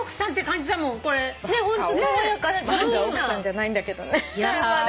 まだ奥さんじゃないんだけどね。